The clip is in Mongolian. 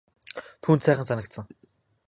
Түүнд сайхан санагдсан.